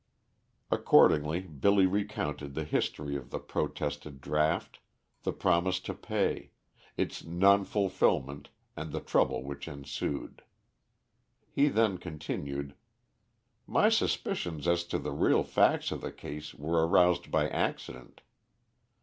Accordingly Billy recounted the history of the protested draft; the promise to pay; its nonfulfillment and the trouble which ensued. He then continued: "My suspicions as to the real facts of the case were aroused by accident.